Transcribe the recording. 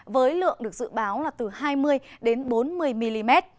với lượng được dự báo là từ hai mươi đến bốn mươi mm